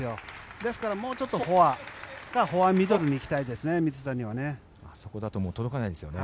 ですからもうちょっとフォアフォアミドルに行きたいですね